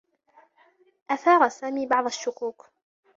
أثار سامي بعض الشّكوك.